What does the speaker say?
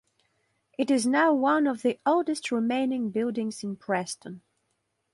It is now one of the oldest remaining buildings in Preston.